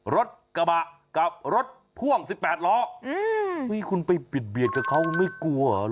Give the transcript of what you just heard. รถกระบะกับรถพ่วง๑๘ล้อคุณไปเบียดกับเขาไม่กลัวเหรอ